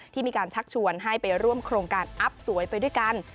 มีการชักชวนให้ไปร่วมโครงการอัพสวยไปด้วยกัน